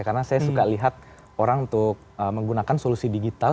karena saya suka lihat orang untuk menggunakan solusi digital